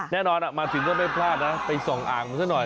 แน่นอนมาถึงก็ไม่พลาดนะไปส่องอ่างมันซะหน่อย